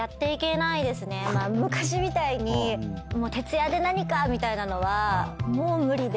昔みたいに徹夜で何かみたいなのはもう無理で。